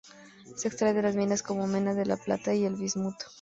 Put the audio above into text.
Se extrae en las minas como mena de la plata y el bismuto.